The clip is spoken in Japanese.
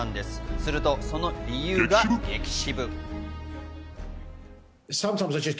するとその理由が激渋。